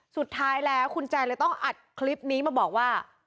สุดท้ายแล้วคุณแจนเลยต้องอัดคลิปนี้มาบอกว่า